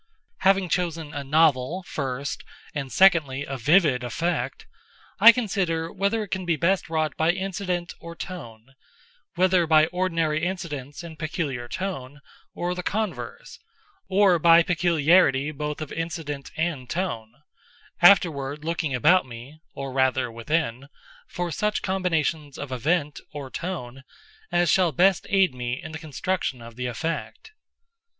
Having chosen a novel, first, and secondly a vivid effect, I consider whether it can be best wrought by incident or tone—whether by ordinary incidents and peculiar tone, or the converse, or by peculiarity both of incident and tone—afterward looking about me (or rather within) for such combinations of event, or tone, as shall best aid me in the construction of the effect.